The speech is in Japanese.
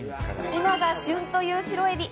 今が旬という白エビ。